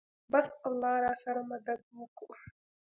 بس الله راسره مدد وکو.